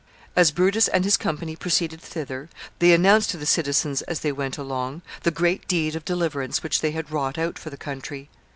As Brutus and his company proceeded thither, they announced to the citizens, as they went along, the great deed of deliverance which they had wrought out for the country.